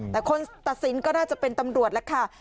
แต่คนตัดสินก็น่าจะเป็นตำรวจแล้วค่ะ